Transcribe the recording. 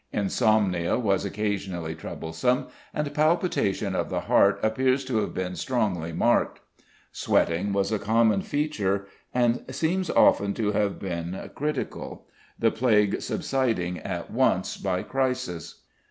Insomnia was occasionally troublesome, and palpitation of the heart appears to have been often strongly marked. Sweating was a common feature, and seems often to have been "critical," the plague subsiding at once by crisis.